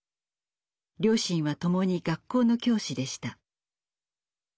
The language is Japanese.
両親はともに学校の教師でした。